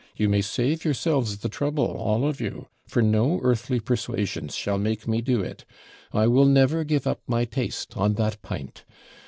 You may save yourselves the trouble, all of you, for no earthly persuasions shall make me do it. I will never give up my taste on that PINT.